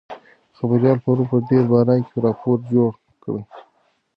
خبریال پرون په ډېر باران کې راپور جوړ کړ.